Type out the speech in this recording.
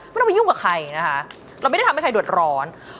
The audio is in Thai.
ไม่ต้องไปยุ่งกับใครนะคะเราไม่ได้ทำให้ใครเดือดร้อน